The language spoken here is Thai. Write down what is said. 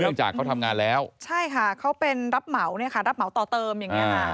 จากเขาทำงานแล้วใช่ค่ะเขาเป็นรับเหมาเนี่ยค่ะรับเหมาต่อเติมอย่างเงี้ค่ะ